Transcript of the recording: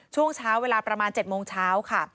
ช่วงเช้าเวลาประมาณ๗โมงเช้าค่ะ